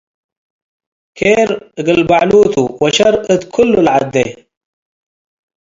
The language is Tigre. ኬር እግል በዐሉ ቱ ወሸር እት ኩሉ ለዐዴ።